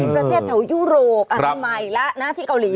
ประเทศแถวยุโรปอันใหม่แล้วนะที่เกาหลี